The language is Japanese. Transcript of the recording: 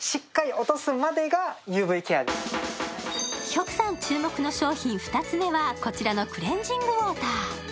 ヒョクさん注目の商品２つ目はこちらのクレンジングウオーター。